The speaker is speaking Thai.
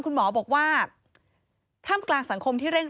พบหน้าลูกแบบเป็นร่างไร้วิญญาณ